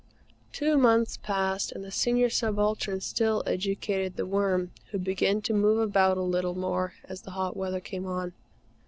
Two months passed, and the Senior Subaltern still educated The Worm, who began to move about a little more as the hot weather came on.